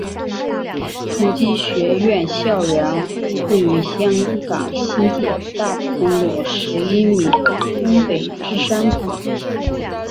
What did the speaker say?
崇基学院校园位于香港新界大埔公路十一咪半东北之山谷。